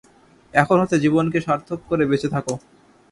এখন হতে জীবনকে সার্থক করে বেঁচে থাকো।